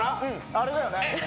あれだよね。